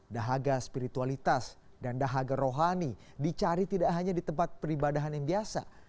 dahaga spiritualitas dan dahaga rohani dicari tidak hanya di tempat peribadahan yang biasa